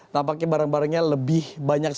tampaknya barang barangnya lebih banyak